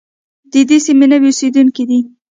د دې سیمې نوي اوسېدونکي دي.